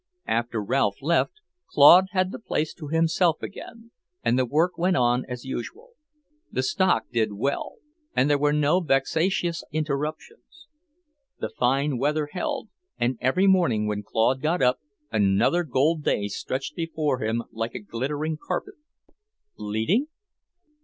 After Ralph left, Claude had the place to himself again, and the work went on as usual. The stock did well, and there were no vexatious interruptions. The fine weather held, and every morning when Claude got up, another gold day stretched before him like a glittering carpet, leading...?